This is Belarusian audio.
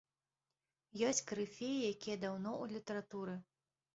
Ёсць карыфеі, якія даўно ў літаратуры.